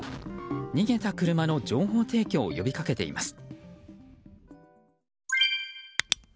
逃げた車の情報提供を呼びかけています。